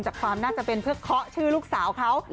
ความน่าจะเป็นเพื่อเคาะชื่อลูกสาวเขา